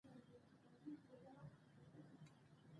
احمدشاه بابا مدبرانه سیاست د ډیرو فتحو سبب سو.